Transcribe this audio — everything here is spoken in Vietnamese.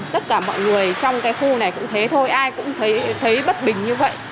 tất cả mọi người trong cái khu này cũng thế thôi ai cũng thấy bất bình như vậy